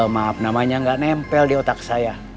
maaf namanya nggak nempel di otak saya